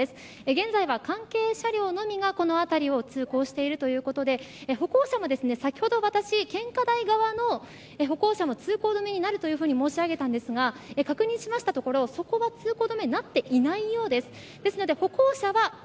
現在は関係車両のみがこの辺りを通行してるということで歩行者も先ほど、私、警献花台側の歩行者も通行止めになると申し上げたんですが確認しましたところ、そこは通行止めになっていないようです。